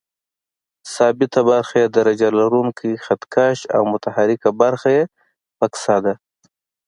ثابته برخه یې درجه لرونکی خط کش او متحرکه برخه یې فکسه ده.